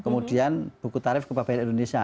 kemudian buku tarif kupab bn indonesia